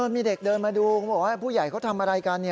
มีเด็กเดินมาดูเขาบอกว่าผู้ใหญ่เขาทำอะไรกัน